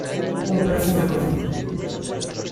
Un perfume profundo.